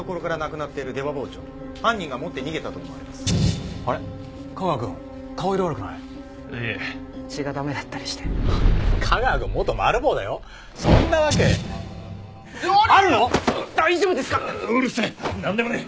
なんでもねえ。